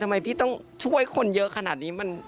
ทำไมพี่ต้องช่วยคนเยอะขนาดนี้